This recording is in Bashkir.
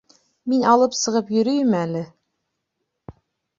Мин алып сығып йөрөйөм әле?